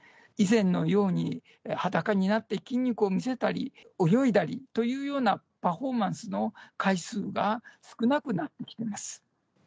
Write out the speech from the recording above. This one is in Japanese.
以前のように裸になって筋肉を見せたり、泳いだりというようなパフォーマンスの回数が少なくなってきています。